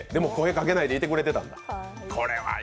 でも、声かけないでくれてたんだ。